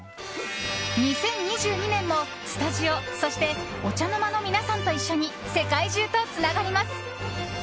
２０２２年もスタジオ、そしてお茶の間の皆さんと一緒に世界中とつながります。